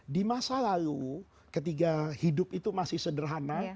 di masa lalu ketika hidup itu masih sederhana